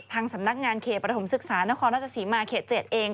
สำนักงานเขตประถมศึกษานครราชสีมาเขต๗เอง